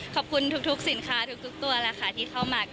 ขอบคุณทุกสินค้าทุกตัวที่เข้ามา